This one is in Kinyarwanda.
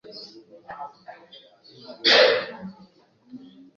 Good contextual knowledge of local issues